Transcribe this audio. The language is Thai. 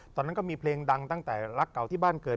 ตอนนั้นก็มีเพลงดังตั้งแต่รักเก่าที่บ้านเกิด